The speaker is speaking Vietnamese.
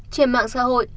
trên mạng xã hội